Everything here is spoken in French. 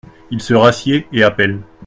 Il se rassied et appelle.